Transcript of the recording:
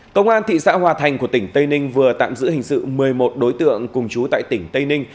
công an thị xã hòa thành của tỉnh tây ninh vừa tạm giữ hình sự một mươi một đối tượng cùng chú tại tỉnh tây ninh